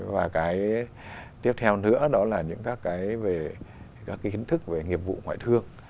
và cái tiếp theo nữa đó là những các cái về các cái kiến thức về nghiệp vụ ngoại thương